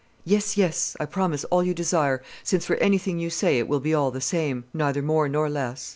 "Yes, yes; I promise all you desire, since for anything you say it will be all the same, neither more nor less."